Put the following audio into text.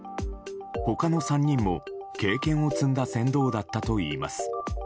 他の３人も経験を積んだ船頭だったといいます。